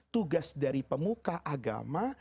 tugas dari pemuka agama